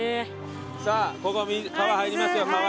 さあ川入りますよ川。